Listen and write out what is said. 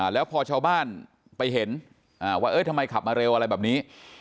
แล้วพอชาวบ้านไปเห็นว่าทำไมขับมาเร็วอะไรแบบนี้